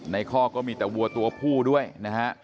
ข้อก็มีแต่วัวตัวผู้ด้วยนะฮะ